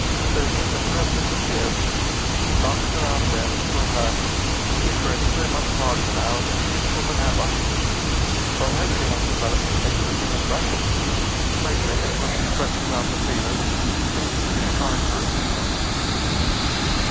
So they think that Gremm disappeared. And I'm still out here with her. She's grown so much larger now, and more beautiful than ever. But I hope she hasn't developed a taste for human flesh. Lately, when she stretches out her feelers, it seems that she's trying to reach me.